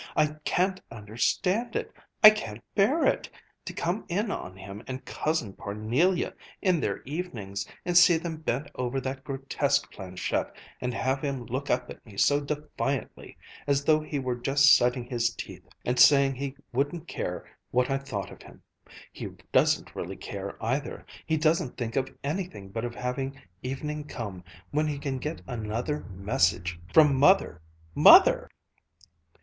I can't understand it! I can't bear it, to come in on him and Cousin Parnelia, in their evenings, and see them bent over that grotesque planchette and have him look up at me so defiantly, as though he were just setting his teeth and saying he wouldn't care what I thought of him. He doesn't really care either. He doesn't think of anything but of having evening come when he can get another 'message' from Mother ... from Mother! Mother!"